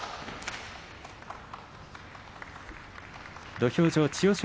土俵上、千代翔